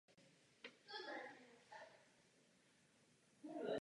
Škola má v současnosti dvě střediska.